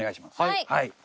はい。